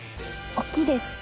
大きいです。